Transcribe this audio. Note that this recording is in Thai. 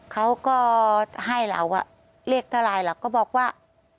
เขาก็ให้เราเรียกเท่าไรเราก็บอกว่า